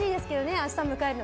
明日迎えるの。